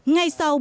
ngay sau bài hỏi